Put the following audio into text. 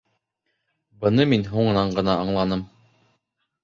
Быны мин һуңынан ғына аңланым.